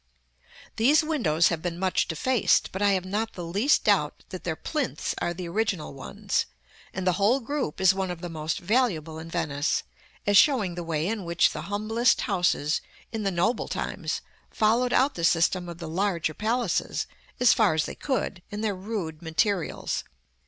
These windows have been much defaced; but I have not the least doubt that their plinths are the original ones: and the whole group is one of the most valuable in Venice, as showing the way in which the humblest houses, in the noble times, followed out the system of the larger palaces, as far as they could, in their rude materials.